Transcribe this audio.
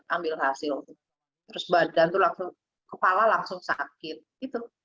ambil hasil terus badan tuh langsung kepala langsung sakit gitu